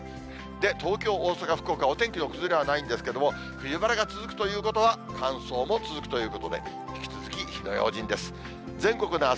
東京、大阪、福岡はお天気の崩れはなさそうなんですが、冬晴れが続くということは、乾燥も続くということで、引き続き、火の用心です。